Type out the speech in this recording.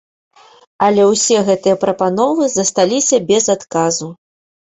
Але ўсе гэтыя прапановы засталіся без адказу.